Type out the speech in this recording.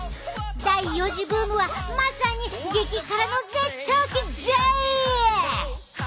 第４次ブームはまさに激辛の絶頂期じゃい！